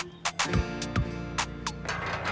udah mau ke rumah